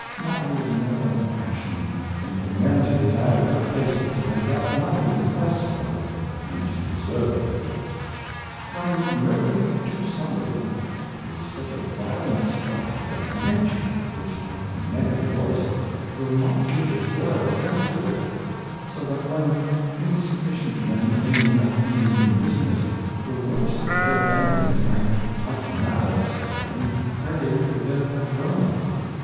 Nothing is more in fashion, than for men to desire good Places, and I doubt nothing is less so than to deserve them. From Nobody to somebody is such a violent stride, that Nature, which hath the Negative Voice, wiU not give its Royal Assent to it : So that when insufficient Men aim at being in business, the worst of their Enemies might out of malice to them pray for their Preferment.